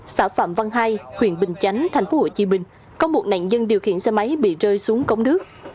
xã phạm văn hai huyện bình chánh tp hcm có một nạn nhân điều khiển xe máy bị rơi xuống cống nước